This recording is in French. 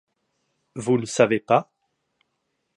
Vous ne savez pas?